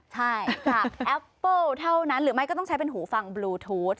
ใช่ค่ะแอปเปิ้ลเท่านั้นหรือไม่ก็ต้องใช้เป็นหูฟังบลูทูธ